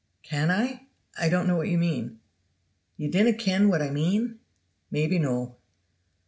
"Can I? I don't know what you mean." "Ye dinna ken what I mean? Maybe no."